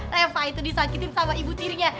reva itu disakitin sama ibu tirinya